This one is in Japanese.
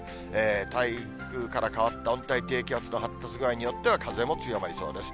台風から変わった温帯低気圧の発達具合によっては、風も強まりそうです。